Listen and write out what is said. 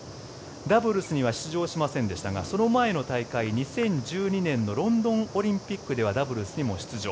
ダブルスには出場しませんでしたがその前の大会、２０１２年のロンドンオリンピックではダブルスにも出場。